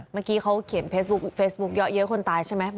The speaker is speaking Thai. เมื่อกี้เขาเขียนเฟซบุ๊กเยอะคนตายใช่ไหม